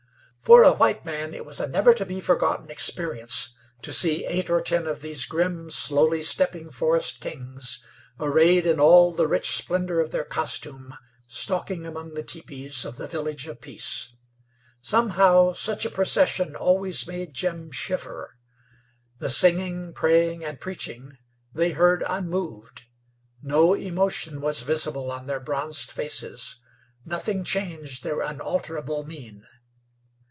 For a white man it was a never to be forgotten experience to see eight or ten of these grim, slowly stepping forest kings, arrayed in all the rich splendor of their costume, stalking among the teepees of the Village of Peace. Somehow, such a procession always made Jim shiver. The singing, praying and preaching they heard unmoved. No emotion was visible on their bronzed faces; nothing changed their unalterable mien.